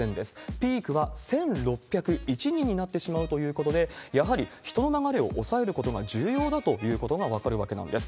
ピークは１６０１人になってしまうということで、やはり人の流れを抑えることが重要だということが分かるわけなんです。